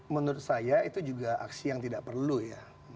menurut saya itu juga aksi yang tidak perlu ya